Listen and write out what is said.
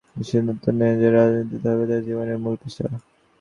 তিনি সিদ্ধান্ত নেন যে রাজনীতিই হবে তার জীবনের মূল পেশা।